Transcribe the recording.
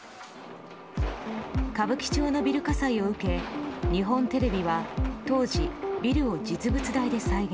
歌舞伎町のビル火災を受け日本テレビは当時、ビルを実物大で再現。